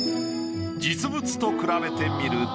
実物と比べてみると。